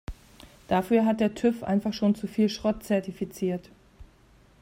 Dafür hat der TÜV einfach schon zu viel Schrott zertifiziert.